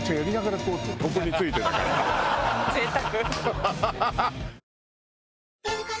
贅沢。